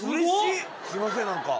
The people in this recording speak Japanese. すいません何か。